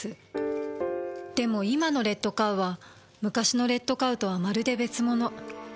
でも今の「レッドカウ」は昔の「レッドカウ」とはまるで別物。